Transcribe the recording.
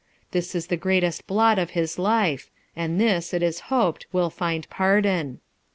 This is the greatest hlot in his life ; and this, it is hoped, will find pardon.